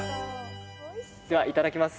ではいただきます。